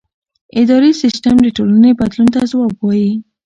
اداري سیستم د ټولنې بدلون ته ځواب وايي.